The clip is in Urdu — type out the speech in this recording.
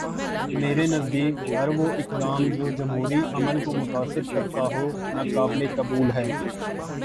میرے نزدیک ہر وہ اقدام جو جمہوری عمل کو متاثر کرتا ہو، ناقابل قبول ہے۔